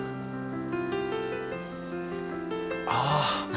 ああ。